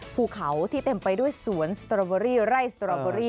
ภูเขาที่เต็มไปด้วยสวนสตรอเบอรี่ไร่สตรอเบอรี่